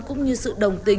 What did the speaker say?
cũng như sự đồng tính